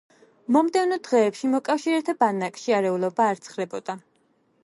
მომდევნო დღეებში, მოკავშირეთა ბანაკში არეულობა არ ცხრებოდა.